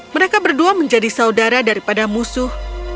mereka berdua menjadi saudara daripada musuh